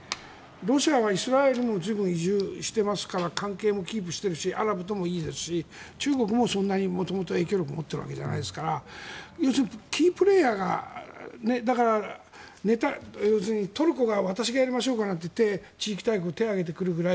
ロシアはイスラエルにも関係をキープしているしアラブともいいですし中国もそんなに元々影響力を持っているわけじゃないですから要するに、キープレーヤーがトルコが私がやりましょうかなんて言って地域大国に手を上げるくらい。